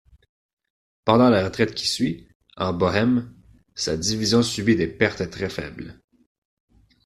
Pendant la retraite qui suit, en Bohême, sa division subit des pertes très faibles.